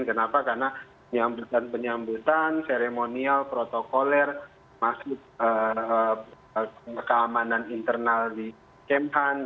kenapa karena penyebutan penyebutan seremonial protokoler maksud keamanan internal di kementerian pertahanan